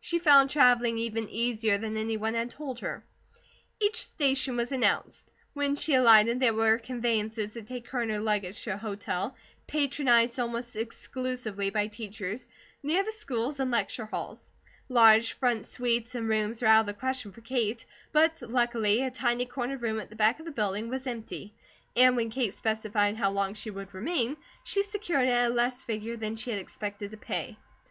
She found travelling even easier than any one had told her. Each station was announced. When she alighted, there were conveyances to take her and her luggage to a hotel, patronized almost exclusively by teachers, near the schools and lecture halls. Large front suites and rooms were out of the question for Kate, but luckily a tiny corner room at the back of the building was empty and when Kate specified how long she would remain, she secured it at a less figure than she had expected to pay.